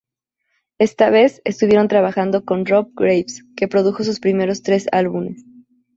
Esta vez, estuvieron trabajando con Rob Graves, que produjo sus primeros tres álbumes.